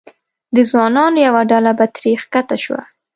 د ځوانانو یوه ډله به ترې ښکته شوه.